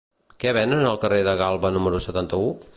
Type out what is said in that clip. Què venen al carrer de Galba número setanta-u?